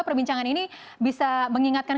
perbincangan ini bisa mengingatkan